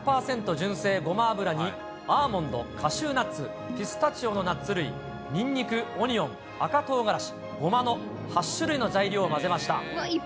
純正ごま油に、アーモンド、カシューナッツ、ピスタチオのナッツ類、にんにく、オニオン、赤とうがらし、ごまの８種類の材料を混ぜました。